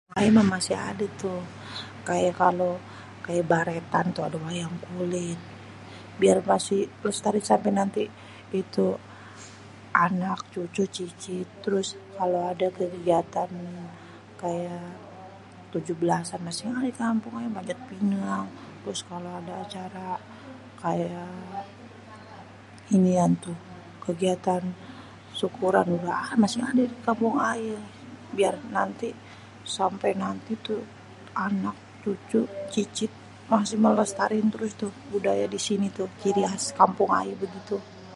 Ayé mah masih ada tuh kayak kalo kayak barètan tuh ada wayang kulit. Biar lestari sampé nanti itu anak, cucu, cicit. Terus kalo ada kegiatan kayak tujuh belasan, masih ada di kampung ayé panjat pinang. Terus kalo ada acara kayak inian tuh kegiatan sykuran juga masih ada tuh di kampung biar nanti sampé nanti tuh anak, cucu, cicit masih melestariin terus tuh budaya di sini tuh, ciri khas kampung ayé begitu.